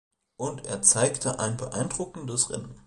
Und er zeigte ein beeindruckendes Rennen.